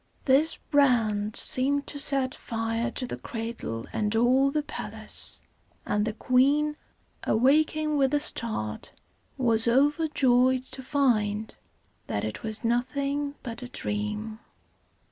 This brand seemed to set fire to the cradle and all the palace; and the queen, awaking with a start, was overjoyed to find that it was nothing but a dream.